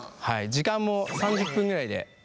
時間も３０分ぐらいでできて。